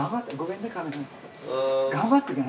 うん。頑張ってね。